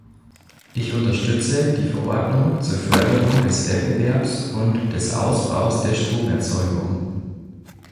Ich unterstütze die Verordnung zur Förderung des Wettbewerbs und des Ausbaus der Stromerzeugung.